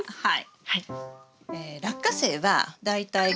はい。